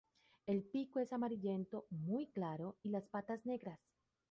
El pico es amarillento muy claro y las patas negras.